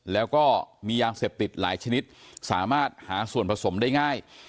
แล้วก็มียาเสพติดหลายชนิดสามารถหาส่วนผสมได้ง่าย